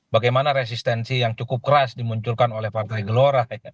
bagaimana resistensi yang cukup keras dimunculkan oleh partai gelora